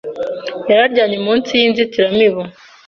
yararyamye munsi yinzitiramubu.